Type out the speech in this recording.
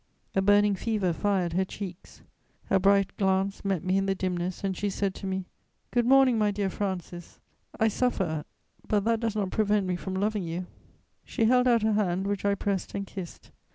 A burning fever fired her cheeks. Her bright glance met me in the dimness, and she said to me: "Good morning, my dear Francis. I suffer, but that does not prevent me from loving you." She held out her hand, which I pressed and kissed.